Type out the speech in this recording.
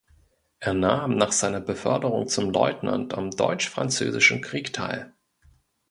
Er nahm nach seiner Beförderung zum Leutnant am Deutsch-Französischen Krieg teil.